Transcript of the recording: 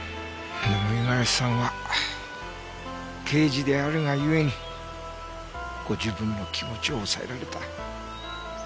でも五十嵐さんは刑事であるが故にご自分の気持ちを抑えられた。